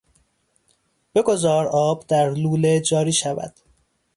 بگذار آب در لوله جاری شود.